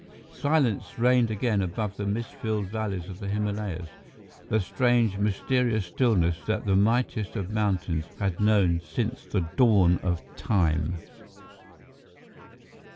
Silence reigned again above the mist filled valleys of the Himalayas, the strange, mysterious stillness that the mightiest of mountains had known since the dawn of time.